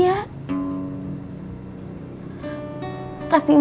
dan emak teh juga